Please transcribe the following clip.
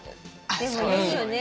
でもいいよね。